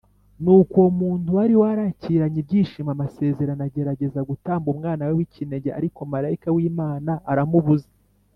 nuko uwo muntu wari warakiranye ibyishimo amasezerano agerageza gutamba umwana we w’ikinege ariko marayika w’Imana aramubuza.